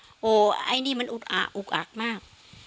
โอ้โหไอ้นี่มันอุกอาอุกอักมาก